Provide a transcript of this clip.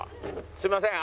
すいません。